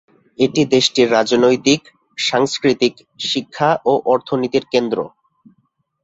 এটি দেশটির রাজনৈতিক, সাংস্কৃতিক, শিক্ষা ও অর্থনীতির কেন্দ্র।